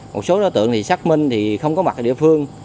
một số đối tượng thì xác minh thì không có mặt ở địa phương